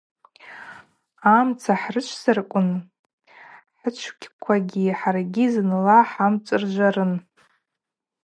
Амца хӏрычвзарквын, хӏычвквагьи хӏаргьи зынла хӏамцӏыржварын.